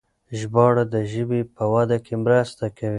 ژباړه د ژبې په وده کې مرسته کوي.